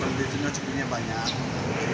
pembelinya jenisnya banyak